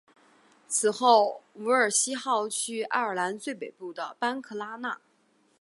此后伍尔西号去爱尔兰最北部的班克拉纳。